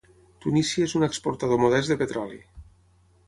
Tunísia és un exportador modest de petroli.